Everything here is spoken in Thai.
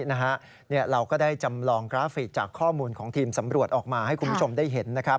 เราก็ได้จำลองกราฟิกจากข้อมูลของทีมสำรวจออกมาให้คุณผู้ชมได้เห็นนะครับ